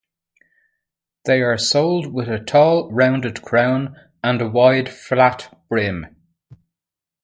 They are sold with a tall, rounded crown and a wide flat brim.